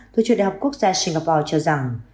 thủ chức đại học quốc gia singapore cho rằng